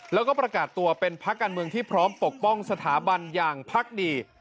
แล้วก็ประกาศตัวเป็นพักการเมืองที่พร้อมปกป้องสถาบันอย่างพักดี